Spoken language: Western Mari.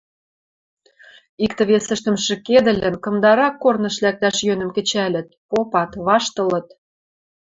Иктӹ-весӹштӹм шӹкедӹлӹн, кымдарак корныш лӓктӓш йӧнӹм кӹчӓлӹт, попат, ваштылыт.